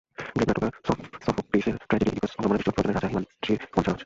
Greek নাট্যকার সফোক্লিসের tragedy Oedipus অবলম্বনে দৃষ্টিপাত প্রযোজনা রাজা হিমাদ্রির মঞ্চায়ন আজ।